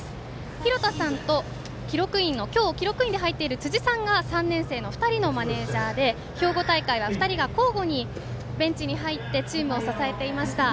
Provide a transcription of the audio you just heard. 広田さんと今日、記録員で入っている辻さんが３年生の２人のマネージャーで兵庫大会は２人が交互にベンチに入ってチームを支えていました。